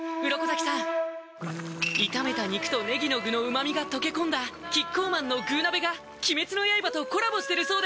鱗滝さん炒めた肉とねぎの具の旨みが溶け込んだキッコーマンの「具鍋」が鬼滅の刃とコラボしてるそうです